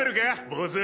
坊主。